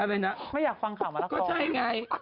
อะไรนะไม่อยากฟังข่าวมาแล้วก็ใช่ไง